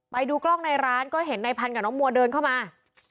ไปดูกล้องในร้านก็เห็นในพันธกับน้องมัวเดินเข้ามา